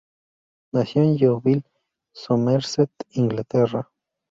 Nació en Yeovil, Somerset, Inglaterra.